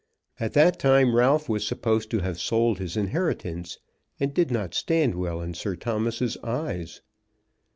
At that time Ralph was supposed to have sold his inheritance, and did not stand well in Sir Thomas's eyes.